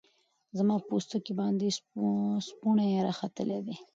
زما په پوستکی باندی سپوڼۍ راختلې دی